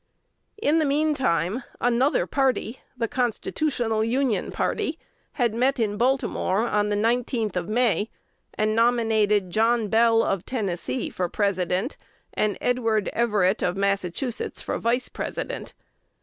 In the mean time another party the "Constitutional Union party" had met in Baltimore on the 19th of May, and nominated John Bell of Tennessee for President, and Edward Everett of Massachusetts for Vice President.